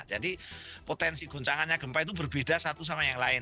jadi potensi goncangannya gempa itu berbeda satu sama yang lain